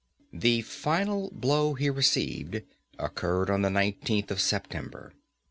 The final blow he received occurred on the 19th of September.